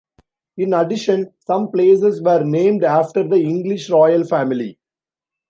In addition, some places were named after the English royal family.